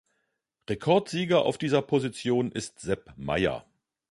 Rekordsieger auf dieser Position ist Sepp Maier.